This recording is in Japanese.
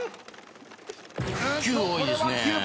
９多いですね。